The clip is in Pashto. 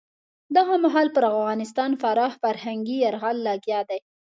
دغه مهال پر افغانستان پراخ فرهنګي یرغل لګیا دی.